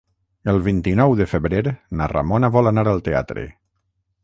El vint-i-nou de febrer na Ramona vol anar al teatre.